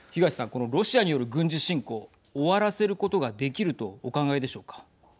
このロシアによる軍事侵攻終わらせることができるとお考えでしょうか。